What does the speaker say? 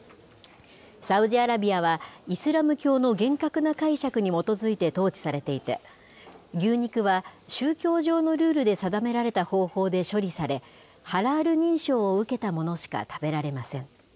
サウジアラビアは、イスラム教の厳格な解釈に基づいて統治されていて、牛肉は宗教上のルールで定められた方法で処理され、ハラール認証を受けたものしか食べられません。